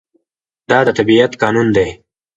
دا د طبيعت قانون دی.